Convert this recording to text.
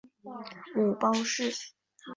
母包氏。